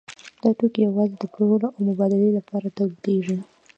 دا توکي یوازې د پلورلو او مبادلې لپاره تولیدېږي